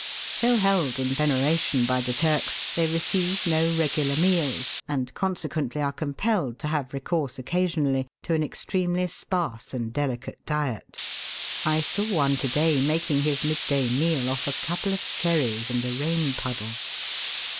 Though held in veneration by the Turks, they receive no regular meals, and consequently are compelled to have recourse occasionally to an extremely sparse and delicate diet I saw one to day making his midday meal off a couple of cherries and a rain puddle.